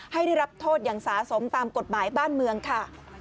ให้ได้รับโทษอย่างสาสมตามกฎหมายบ้านเมืองค่ะ